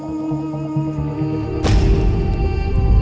siapakah kesulitan kami